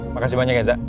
makasih banyak ya za